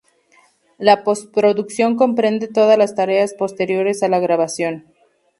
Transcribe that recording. La postproducción comprende todas las tareas posteriores a la grabación.